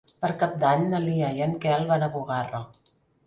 Per Cap d'Any na Lea i en Quel van a Bugarra.